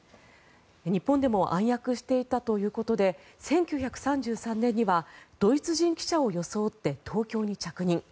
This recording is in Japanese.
日本でも暗躍していたということで１９３３年にはドイツ人記者を装って東京に着任。